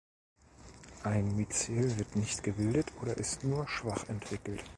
Ein Myzel wird nicht gebildet oder ist nur schwach entwickelt.